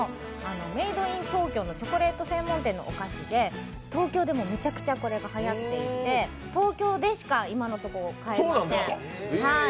メイド・イン・東京のチョコレート専門店のお菓子で東京でもめちゃくちゃ、これがはやっていて東京でしか今のところ、買えません。